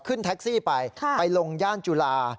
ขึ้นแท็กซี่ไปไปลงย่านจุฬา